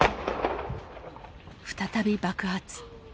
再び爆発。